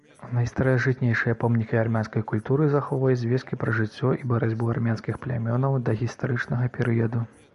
Найстаражытнейшыя помнікі армянскай культуры захоўваюць звесткі пра жыццё і барацьбу армянскіх плямёнаў дагістарычнага перыяду.